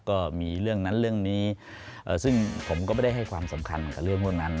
ก็มีเรื่องนั้นเรื่องนี้ซึ่งผมก็ไม่ได้ให้ความสำคัญกับเรื่องพวกนั้น